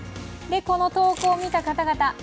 この投稿を見た方々は